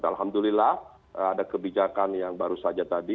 dan alhamdulillah ada kebijakan yang baru saja tadi